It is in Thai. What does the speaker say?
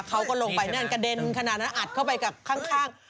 เขาก็ลงไปนั่นกระเด็นขนาดนั้นอัดเข้าไปกับข้าง